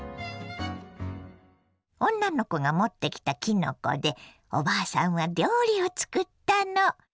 女の子が持ってきたきのこでおばあさんは料理を作ったの。